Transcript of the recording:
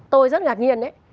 tôi rất ngạc nhiên đấy